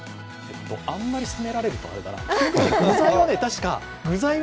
あんまり攻められるとあれだな